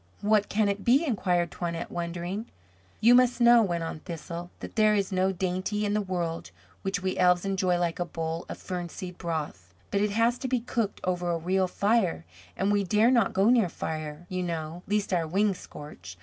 "What can it be?" inquired Toinette, wondering. "You must know," went on Thistle, "that there is no dainty in the world which we elves enjoy like a bowl of fern seed broth. But it has to be cooked over a real fire, and we dare not go near fire, you know, lest our wings scorch.